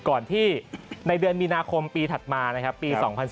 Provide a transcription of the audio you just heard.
ก่อนที่ในเดือนมีนาคมปีถัดมานะครับปี๒๐๑๙